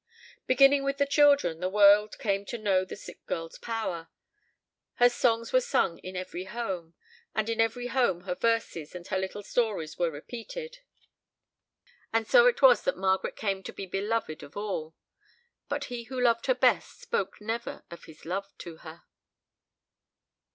Beginning with the children, the world came to know the sick girl's power. Her songs were sung in every home, and in every home her verses and her little stories were repeated. And so it was that Margaret came to be beloved of all, but he who loved her best spoke never of his love to her.